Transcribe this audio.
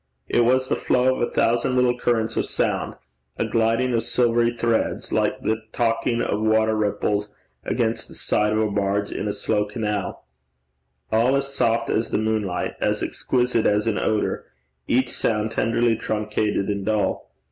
It was the flow of a thousand little currents of sound, a gliding of silvery threads, like the talking of water ripples against the side of a barge in a slow canal all as soft as the moonlight, as exquisite as an odour, each sound tenderly truncated and dull.